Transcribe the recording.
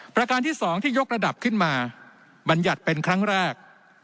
ประการที่๒ที่ยกระดับขึ้นมาบรรยัติเป็นครั้งแรก